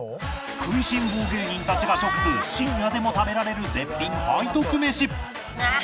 食いしん坊芸人たちが食す深夜でも食べられる絶品背徳メシ